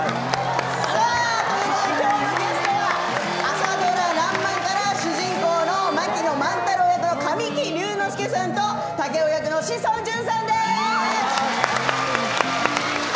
今日のゲストは朝ドラ「らんまん」から主人公の槙野万太郎役の神木隆之介さんと竹雄役の志尊淳さんです。